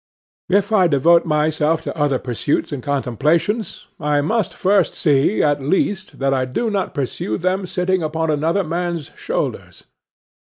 If I devote myself to other pursuits and contemplations, I must first see, at least, that I do not pursue them sitting upon another man's shoulders.